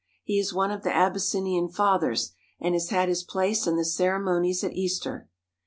He is one of the Abyssinian fathers and has his place in the ceremonies at Easter.